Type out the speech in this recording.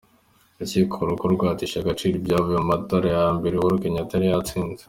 Urukiko Rukuru rwatesheje agaciro ibyavuye mu matora ya mbere Uhuru Kenyatta yari yatsinze.